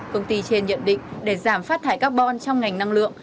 công ty trên nhận định để giảm phát thải carbon trong ngành năng lượng